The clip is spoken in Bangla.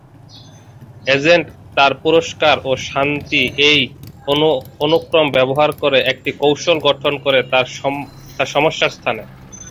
এজেন্ট তার পুরস্কার এবং শাস্তি এই অনুক্রম ব্যবহার করে একটি কৌশল গঠন করে তার সমস্যার স্থানে।